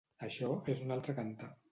Això és un altre cantar.